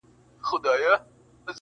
ستا وینا راته پیدا کړه دا پوښتنه-